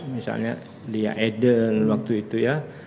misalnya lia edel waktu itu ya